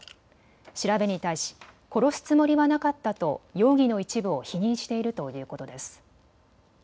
調べに対し殺すつもりはなかったと容疑の一部を否認しているということです。